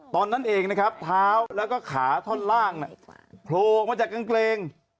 ตอนนั้นเองนะครับเท้าแล้วก็ขาท่อนล่างโผล่ออกมาจากกางเกง